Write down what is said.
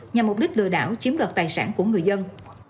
nhằm mục đích lừa đảo chiếm đoạt tài sản của người dân